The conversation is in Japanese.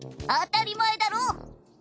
当たり前だろ。